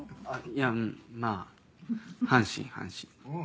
いやうんまぁ阪神阪神。